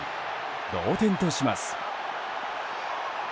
同点とします。